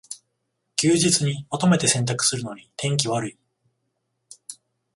休日にまとめて洗濯するのに天気悪い